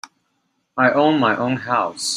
I own my own house.